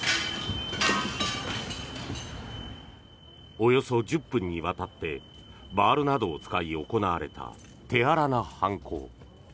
およそ１０分にわたってバールなどを使い行われた手荒な犯行。